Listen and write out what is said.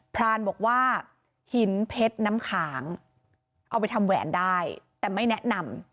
พรานบอกว่าหินเพชรน้ำขางเอาไปทำแหวนได้แต่ไม่แนะนำ